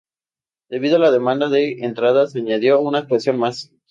Debido a la demanda de entradas se añadió una actuación más.